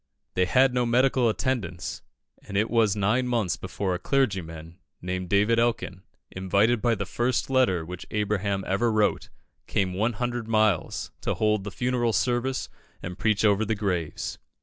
They had no medical attendance, and it was nine months before a clergyman, named David Elkin, invited by the first letter which Abraham ever wrote, came one hundred miles to hold the funeral service and preach over the graves.